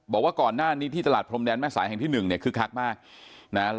บอกว่าก่อนหน้านี้ที่ตลาดพรมแดนแม่สายแห่งที่๑เนี่ยคึกคักมากนะฮะ